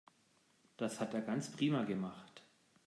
Das hat er ganz prima gemacht.